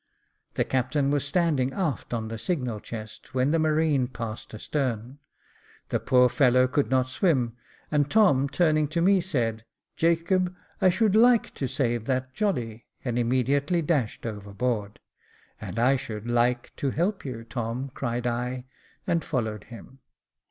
The captain was standing aft on the signal chest, when the marine passed astern ; the poor fellow could not swim, and Tom turning to me said, "Jacob, I should /ike to save that jolly," and immediately dashed overboard. " And I should /ike to help you, Tom," cried I, and followed him.